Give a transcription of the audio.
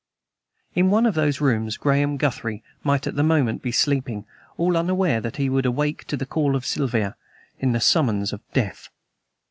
In one of those rooms Graham Guthrie might at that moment be sleeping, all unaware that he would awake to the Call of Siva, to the summons of death.